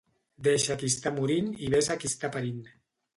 Deixa qui està morint i ves a qui està parint.